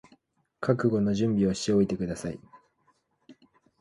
覚悟の準備をしておいてください